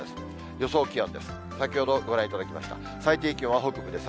予想気温です。